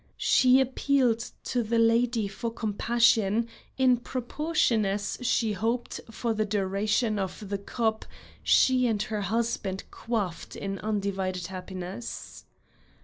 She appealed to the lady for compassion in proportion as she hoped for the duration of the cup she and her husband quaffed in undivided happiness.